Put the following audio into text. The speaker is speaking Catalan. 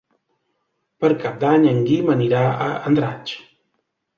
Per Cap d'Any en Guim anirà a Andratx.